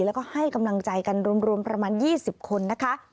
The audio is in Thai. แล้วก็ให้กำลังใจกันรวมประมาณ๒๐คนนะคะ